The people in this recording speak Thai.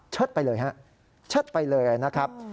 ชัดไปเลยครับชัดไปเลยนะครับ